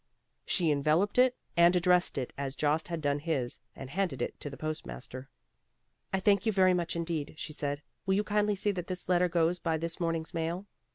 She enveloped it, and addressed it as Jost had done his, and handed it to the post master. "I thank you very much indeed," she said, "will you kindly see that this letter goes by this morning's mail?"